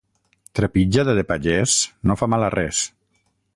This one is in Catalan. Trepitjada de pagès no fa mal a res.